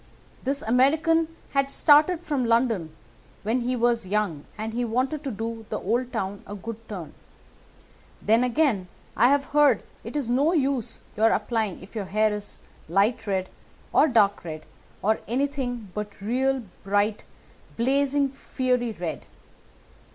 This American had started from London when he was young, and he wanted to do the old town a good turn. Then, again, I have heard it is no use your applying if your hair is light red, or dark red, or anything but real bright, blazing, fiery red.